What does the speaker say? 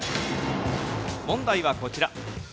問題はこちら。